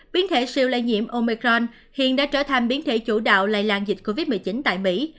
biến thể siêu lây nhiễm omecron hiện đã trở thành biến thể chủ đạo lây lan dịch covid một mươi chín tại mỹ